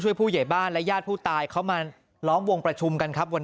ผู้ใหญ่บ้านและญาติผู้ตายเขามาล้อมวงประชุมกันครับวัน